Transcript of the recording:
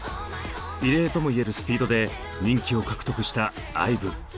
異例とも言えるスピードで人気を獲得したＩＶＥ。